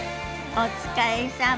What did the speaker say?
お疲れさま。